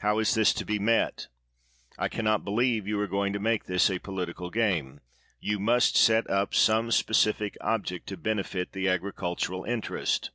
How is this to be met? I can not believe you are going to make this a political game. You must set up some specific object to benefit the agricultural interest.